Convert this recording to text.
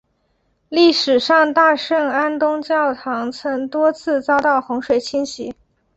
历史上大圣安东教堂曾多次遭到洪水侵袭。